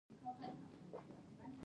خاموش او خوږ ږغ